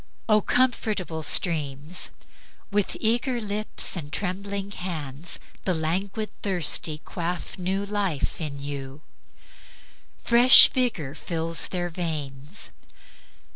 O comfortable streams! with eager lips And trembling hands the languid thirsty quaff New life in you; fresh vigor fills their veins.